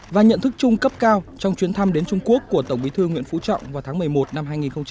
và nhận thức chung cấp cao trong chuyến thăm đến trung quốc của tổng bí thư nguyễn phú trọng vào tháng một mươi một năm hai nghìn hai mươi